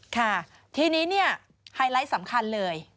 ค่ะทีนี้ไฮไลท์สำคัญเลย